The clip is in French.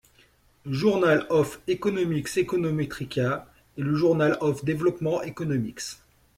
Journal of Economics, Econometrica et le Journal of Development Economics.